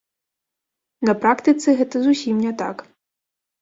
На практыцы гэта зусім не так.